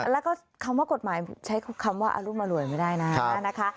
แล้วก็คำว่ากฎหมายใช้คำว่าอรุมอร่วยไม่ได้นะนะคะ